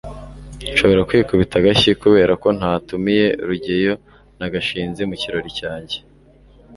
nshobora kwikubita agashyi kubera ko ntatumiye rugeyo na gashinzi mu kirori cyanjye